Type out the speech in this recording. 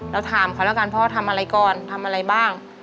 ถามเขาแล้วกันพ่อทำอะไรก่อนทำอะไรบ้าง